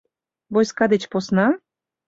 Войска деч посна?..